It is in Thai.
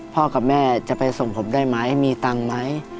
กับแม่จะไปส่งผมได้ไหมมีตังค์ไหม